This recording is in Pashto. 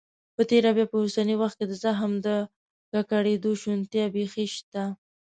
په تیره بیا په اوسني وخت کې د زخم د ککړېدو شونتیا بيخي نشته.